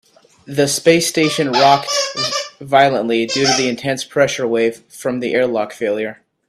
The space station rocked violently due to the intense pressure wave from the airlock failure.